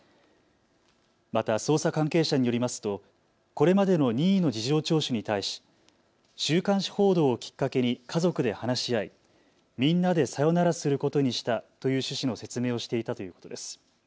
また捜査関係者によりますとこれまでの任意の事情聴取に対し週刊誌報道をきっかけに家族で話し合い、みんなでさよならすることにしたという趣旨の説明をしていたということです。